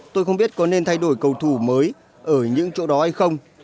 tôi không biết có nên thay đổi cầu thủ mới ở những chỗ đó hay không